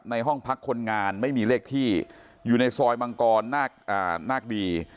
ห้องพักคนงานไม่มีเลขที่อยู่ในซอยมังกรนาคดี